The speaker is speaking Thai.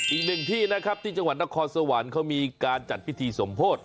อีกหนึ่งที่นะครับที่จังหวัดนครสวรรค์เขามีการจัดพิธีสมโพธิ